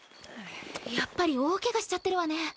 やっぱり大ケガしちゃってるわね。